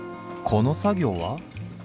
この作業は？